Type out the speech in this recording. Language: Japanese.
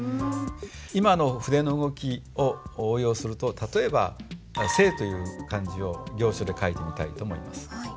今の筆の動きを応用すると例えば「生」という漢字を行書で書いてみたいと思います。